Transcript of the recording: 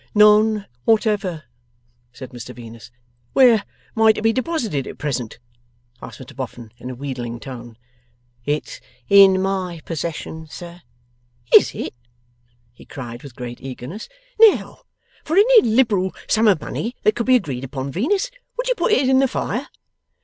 'None whatever,' said Mr Venus. 'Where might it be deposited at present?' asked Mr Boffin, in a wheedling tone. 'It's in my possession, sir.' 'Is it?' he cried, with great eagerness. 'Now, for any liberal sum of money that could be agreed upon, Venus, would you put it in the fire?